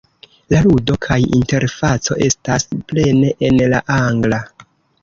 La ludo kaj interfaco estas plene en la Angla.